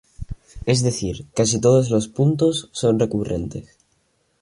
Es decir, casi todos los puntos son recurrentes.